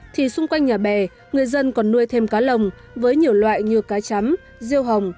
thì xung quanh nhà bè người dân còn nuôi thêm cá lồng với nhiều loại như cá chấm riêu hồng